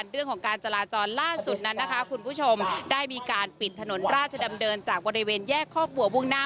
ถนนราชดำเดินจากบริเวณแยกข้อบัววุ่งหน้า